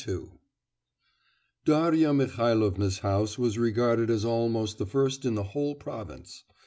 II Darya Mihailovna's house was regarded as almost the first in the whole province.